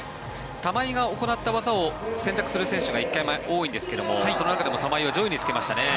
玉井が行った技を選択する選手が１回目多いですがその中でも玉井は上位につけましたね。